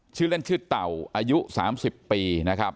ชื่อเล่นชื่อเต่าอายุ๓๐ปี